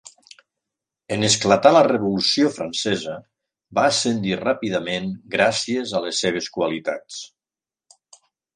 En esclatar la Revolució Francesa, va ascendir ràpidament gràcies a les seves qualitats.